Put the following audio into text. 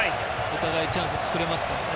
お互いチャンスを作れますからね。